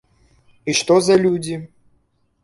І што за людзі?